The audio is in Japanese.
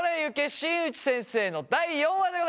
新内先生」の第４話でございます。